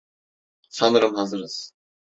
Sanırım hazırız.